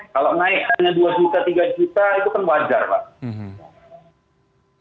kalau naik hanya dua juta tiga juta itu kan wajar pak